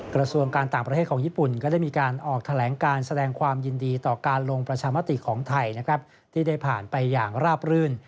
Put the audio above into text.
กระทรวงการต่างประเทศของญี่ปุ่นก็ได้มีการออกแถลงการแสดงความยินดีต่อการลงประชามติของไทยนะครับที่ได้ผ่านไปอย่างราบรื่น